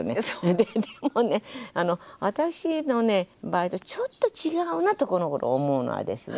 でもねあの私の場合とちょっと違うなとこのごろ思うのはですね